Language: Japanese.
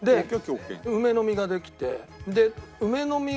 梅の実ができて。